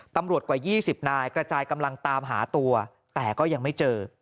ตำรวจกว่ายี่สิบนายกระจายกำลังตามหาตัวแต่ก็ยังไม่เจอ